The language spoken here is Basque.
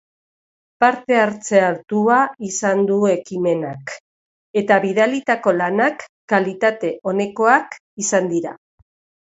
Parte-hartze altua izan du ekimenak eta bidalitako lanak kalitate onekoak izan dira.